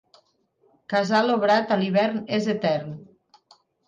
Casal obrat a l'hivern és etern.